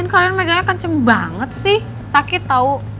kalian meganya kenceng banget sih sakit tau